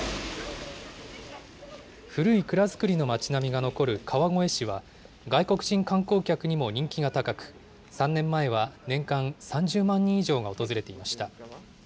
古い蔵造りの町並みが残る川越市は、外国人観光客にも人気が高く、３年前は年間３０万人以上が訪れていました。